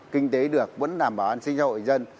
kinh tế được vẫn đảm bảo an sinh xã hội dân